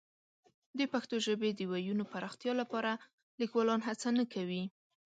د پښتو ژبې د وییونو پراختیا لپاره لیکوالان هڅه نه کوي.